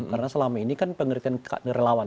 karena selama ini kan pengertian relawan